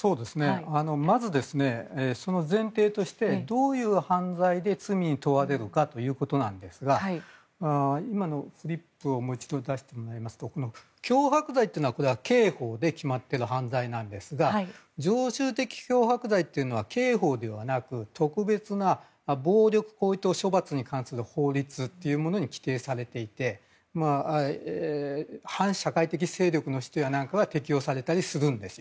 まず、その前提としてどういう犯罪で罪に問われるかということなんですが今のフリップをもう一度出してもらいますとこの脅迫罪というのは刑法で決まっている犯罪なんですが常習的脅迫罪というのは刑法ではなく特別な暴力行為等処罰に関する法律というものに規定されていて反社会的勢力の人やなんかは適用されたりするんです。